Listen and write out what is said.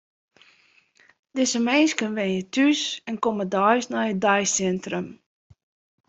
Dizze minsken wenje thús en komme deis nei it deisintrum.